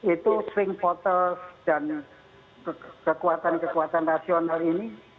itu swing voters dan kekuatan kekuatan rasional ini